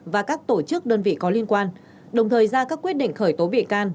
và các tổ chức đơn vị có liên quan đồng thời ra các quyết định khởi tố bị can